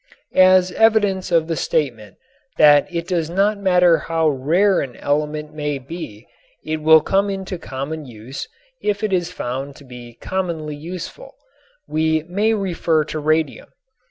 As evidence of the statement that it does not matter how rare an element may be it will come into common use if it is found to be commonly useful, we may refer to radium.